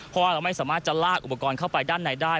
เพราะว่าเราไม่สามารถจะลากอุปกรณ์เข้าไปด้านในได้